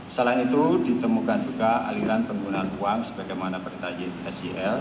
selain itu ditemukan juga aliran penggunaan uang sebagaimana berita sel